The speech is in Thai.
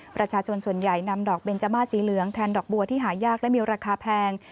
ประชาชนส่วนใหญ่นำดอกเบนจมาสีเหลืองแทนดอกบัวที่หายากและมีราคาแพง